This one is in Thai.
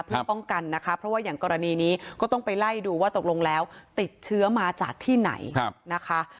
เพื่อป้องกันนะคะเพราะว่าอย่างกรณีนี้ก็ต้องไปไล่ดูว่าตกลงแล้วติดเชื้อมาจากที่ไหนนะคะ